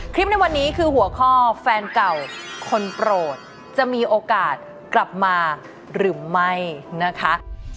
ในวันนี้คือหัวข้อแฟนเก่าคนโปรดจะมีโอกาสกลับมาหรือไม่นะคะ